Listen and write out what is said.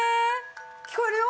聞こえるよ！